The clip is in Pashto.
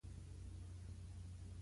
وطن دې زنده باد وي